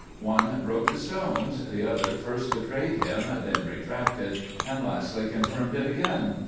One broke the stones ; the other first betrayed him, then retracted, and lastly confirmed it again.